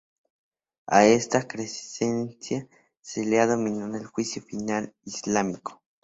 A esta creencia se la ha denominado el Juicio Final islámico.